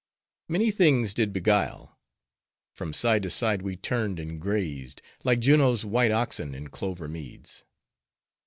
Many things did beguile. From side to side, we turned and grazed, like Juno's white oxen in clover meads.